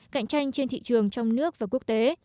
cạnh tranh trên thị trường trong nước và quốc tế